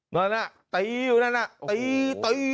นั่นน่ะตีอยู่นั่นน่ะตีตี